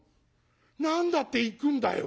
「何だって行くんだよ！」。